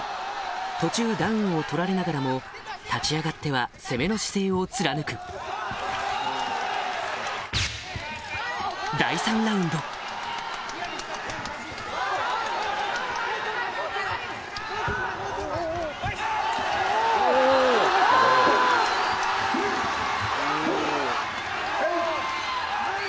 途中ダウンを取られながらも立ち上がっては攻めの姿勢を貫く第３ラウンドスリー・フォー・ファイブ。